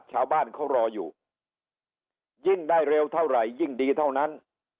ชาวบ้านเขารออยู่ยิ่งได้เร็วเท่าไหร่ยิ่งดีเท่านั้น